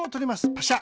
パシャ。